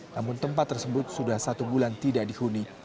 namun tempat tersebut sudah satu bulan tidak dihuni